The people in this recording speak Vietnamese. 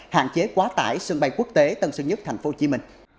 hạn chế quá tải sân bay quốc tế tân sơn nhất tp hcm